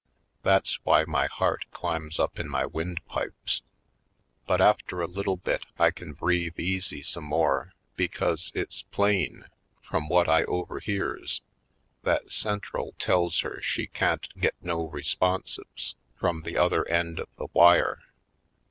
That's why my heart climbs up in my windpipes. But after a little bit I can breathe easy some more because it's plain, from what I over hears, that Central tells her she can't get no responsives from the other end of the wire.